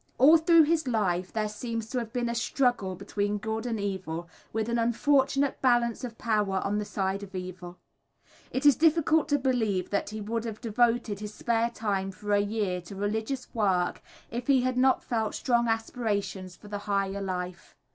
All through his life there seems to have been a struggle between good and evil, with an unfortunate balance of power on the side of evil. It is difficult to believe that he would have devoted his spare time for a year to religious work if he had not felt strong aspirations for the higher life.